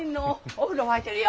お風呂沸いてるよ。